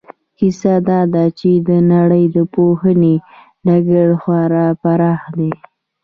کیسه دا ده چې د نړۍ د پوهنې ډګر خورا پراخ دی.